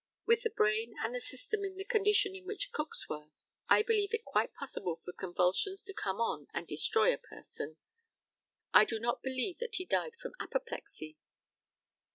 With the brain and the system in the condition in which Cook's were I believe it quite possible for convulsions to come on and destroy a person. I do not believe that he died from apoplexy.